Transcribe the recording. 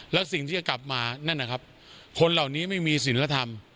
แล้วสิ่งที่จะกลับมานั่นนะครับคนเหล่านี้ไม่มีศิลธรรม